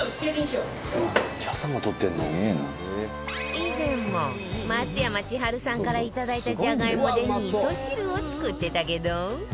以前も松山千春さんからいただいたじゃがいもで味噌汁を作ってたけど